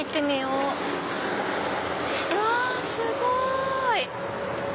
うわすごい！